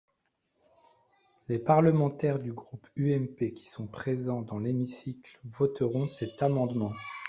Les parlementaires du groupe UMP qui sont présents dans l’hémicycle voteront cet amendement.